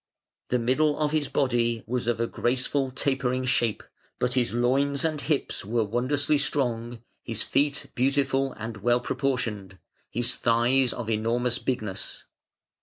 The middle of his body was of a graceful tapering shape, but his loins and hips were wondrously strong; his feet beautiful and well proportioned; his thighs of enormous bigness.